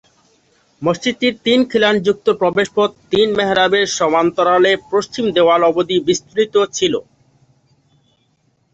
মসজিদটির তিন খিলানযুক্ত প্রবেশপথ তিন মিহরাবের সমান্তরালে পশ্চিম দেওয়াল অবধি বিস্তৃত ছিল।